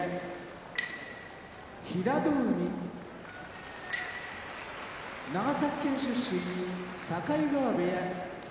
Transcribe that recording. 平戸海長崎県出身境川部屋